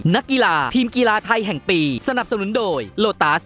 นักกีฬาทีมกีฬาไทยแห่งปีสนับสนุนโดยโลตัส